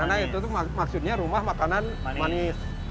karena itu tuh maksudnya rumah makanan manis